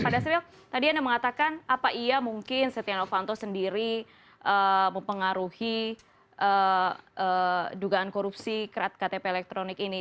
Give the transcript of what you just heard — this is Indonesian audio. pak dasril tadi anda mengatakan apa iya mungkin setia novanto sendiri mempengaruhi dugaan korupsi kerat ktp elektronik ini